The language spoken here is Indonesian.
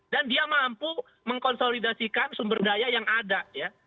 dan dia mampu mengkonsolidasikan sumber daya yang ada ya